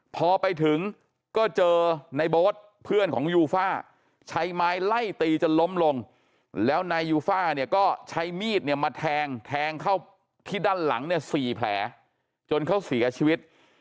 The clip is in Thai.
พอไปถึงก็เจอในโบ๊ทเพื่อนของยูฟ่าใช้ไม้ไล่ตีจนล้มลงแล้วนายยูฟ่าเนี่ยก็ใช้มีดเนี่ยมาแทงแทงเข้าที่ด้านหลังเนี่ย๔แผลจนเขาเสียชีวิต